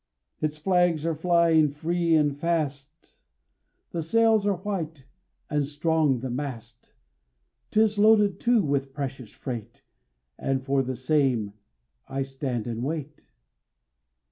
Its flags are flying free and fast, The sails are white, and strong the mast. 'Tis loaded, too, with precious freight, And for the same I stand and wait.